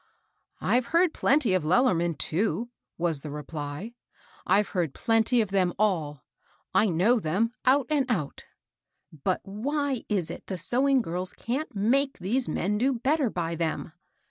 " I've heard plenty of Lellerman, too," was the reply. " I've heard plenty of them all. I know them^ out and out." 152 MABEL BOSS. " But v(hj is it the sewing girls can't mcike these men do better by them?"